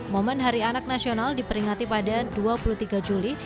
momen hari anak nasional diperingati pada dua puluh tiga juli